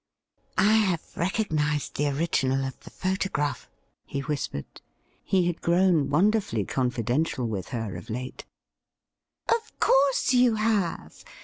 ' I have recognised the original of the photograph,' he whispered ; he had grown wonderfully confidential with her of late. 56 THE RIDDLE RING ' Of course you have.